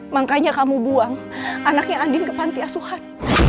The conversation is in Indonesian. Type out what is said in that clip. makanya kamu buang anaknya andin ke pantiasuhan